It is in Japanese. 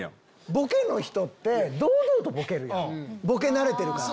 ボケの人って堂々とボケるやんボケ慣れてるから。